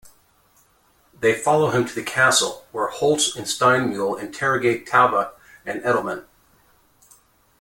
They follow him to the castle, where Holtz and Steinmuhl interrogate Talbot and Edelmann.